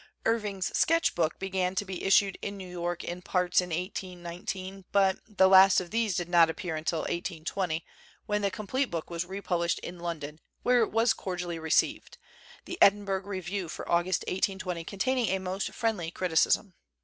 Irving's 'Sketch Book' began to be issued in New York in parts in 1819, but the last of these did not appear until 1820, when the complete book was republished in London, where it was cordially received, the Edinburgh Review for August 1820 containing a most friendly criticism.